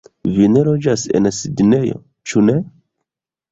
Vi ne loĝas en Sidnejo, ĉu ne?